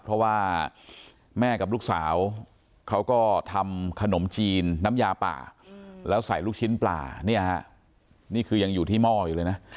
เพราะว่าแม่กับลูกสาวเขาก็ทำขนมจีนน้ำยาป่าแล้วใส่ลูกชิ้นปลาเนี่ยฮะนี่คือยังอยู่ที่หม้ออยู่เลยนะ